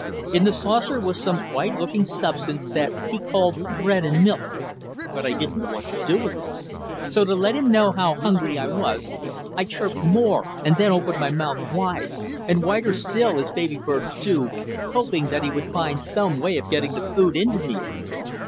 In the saucer was some white looking substance that he called bread and milk. But I didn't know what to do with it. So to let him know how hungry I was I chirped more, and then opened my mouth wide, and wider still, as baby birds do, hoping that he would find some way of getting the food into me.